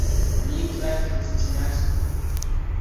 Nigra Kristnasko.